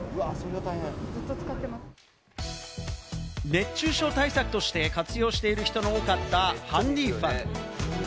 熱中症対策として活用している人の多かったハンディファン。